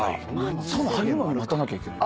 入るのに待たなきゃいけない？